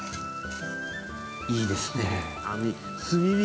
いいですねえ。